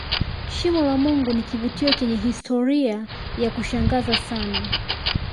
shimo la mungu ni kivutio chenye historia ya kushangaza sana